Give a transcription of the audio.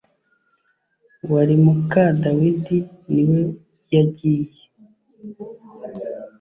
wari muka Dawidi niwe yagiye.